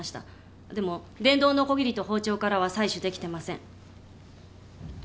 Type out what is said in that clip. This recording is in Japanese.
でも電動のこぎりと包丁からは採取できてません。